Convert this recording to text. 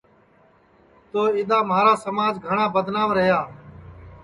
تو اِدؔا مہارا سماج گھٹؔا بدنام رہیا